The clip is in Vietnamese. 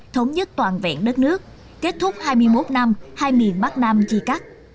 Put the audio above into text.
thống nhất toàn vẹn đất nước kết thúc hai mươi một năm hai miền bắc nam chia cắt